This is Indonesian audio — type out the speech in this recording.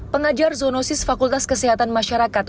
pengajar zoonosis fakultas kesehatan masyarakat